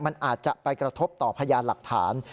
มันอาจจะไปกระทบต่อพยานหลักฐาน